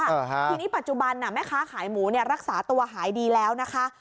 ทีนี้ปัจจุบันน่ะแม่ค้าขายหมูเนี่ยรักษาตัวหายดีแล้วนะคะ